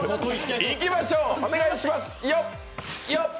いきましょう、お願いします！